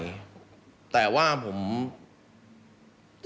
ฟังเสียงอาสามูลละนิทีสยามร่วมใจ